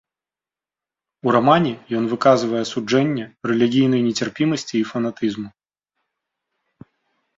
У рамане ён выказвае асуджэнне рэлігійнай нецярпімасці і фанатызму.